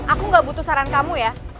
aku gak butuh saran kamu ya